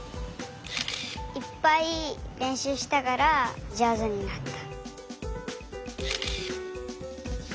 いっぱいれんしゅうしたからじょうずになった。